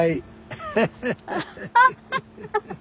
ハハハハ！